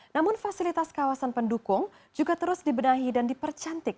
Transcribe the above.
namun fasilitas kawasan pendukung juga terus dibenahi dan dipercantik